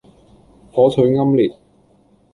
火腿奄列